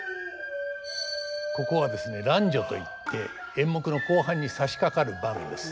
ここはですね「乱序」といって演目の後半にさしかかる場面です。